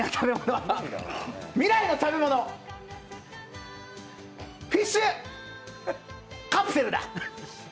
未来の食べ物、フィッシュカプセルだ。